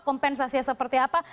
kompensasinya seperti apa